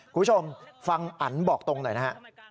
คุณผู้ชมฟังอันบอกตรงหน่อยนะฮะ